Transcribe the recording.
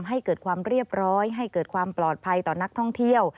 ให้เกิดความเรียบร้อยให้เกิดความปลอดภัยต่อนักท่องเที่ยว